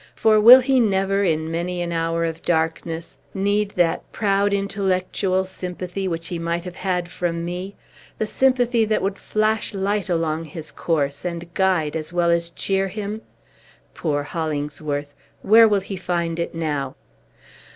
For will he never, in many an hour of darkness, need that proud intellectual sympathy which he might have had from me? the sympathy that would flash light along his course, and guide, as well as cheer him? Poor Hollingsworth! Where will he find it now?"